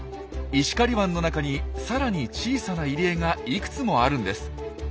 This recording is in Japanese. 石狩湾の中にさらに小さな入り江がいくつもあるんです。